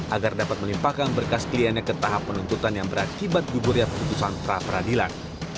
agar dapat melimpahkan berkas kliennya ke tahap penuntutan yang berakibat gugurnya keputusan perapradilan